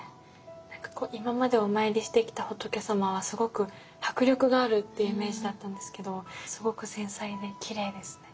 何か今までお参りしてきた仏様はすごく迫力があるっていうイメージだったんですけどすごく繊細できれいですね。